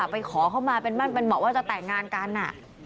ไปขอเข้ามาเป็นบอกว่าจะแต่งงานกัน